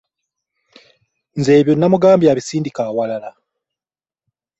Nze ebyo namugambye abisindike awalala.